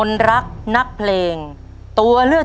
ใช่นักร้องบ้านนอก